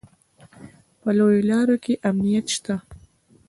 په لویو لارو کې امنیت شته